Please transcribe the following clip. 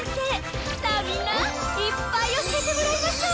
さあみんないっぱい教えてもらいましょう！